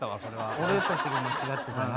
俺たちが間違ってたな。